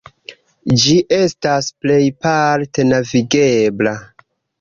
Ĝi estas plejparte navigebla.